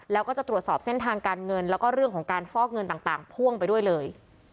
แล้วก็จะตรวจสอบเส้นทางการเงินแล้วก็เรื่องของการฟอกเงินต่างพ่วงไปด้วยเลย